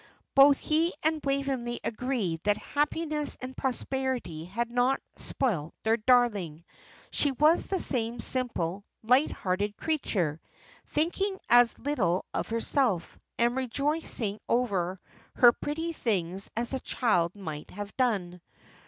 Both he and Waveney agreed that happiness and prosperity had not spoilt their darling; she was the same simple, light hearted creature, thinking as little of herself, and rejoicing over her pretty things as a child might have done.